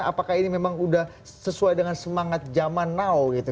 apakah ini memang udah sesuai dengan semangat zaman now gitu